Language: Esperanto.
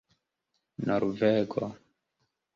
norvego